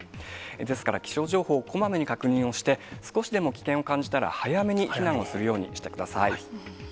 ですから、気象情報をこまめに確認をして、少しでも危険を感じたら、早めに避難をするようにしてください。